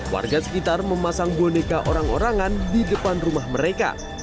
warga sekitar memasang boneka orang orangan di depan rumah mereka